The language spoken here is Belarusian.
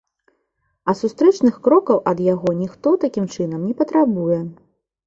А сустрэчных крокаў ад яго ніхто, такім чынам, не патрабуе.